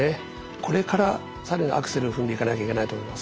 これから更にアクセルを踏んでいかなきゃいけないと思います。